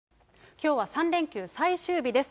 きょうは３連休最終日です。